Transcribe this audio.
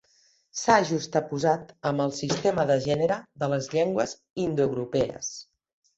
S'ha juxtaposat amb el sistema de gènere de les llengües indoeuropees.